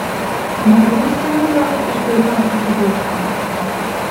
Анан өз жанын багып иштөөгө аргасыз болушкан.